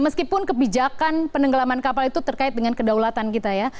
meskipun kebijakan penenggelaman kapal itu terkait dengan kedaulatan kita ya